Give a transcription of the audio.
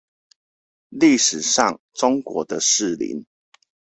歷史上中國的四鄰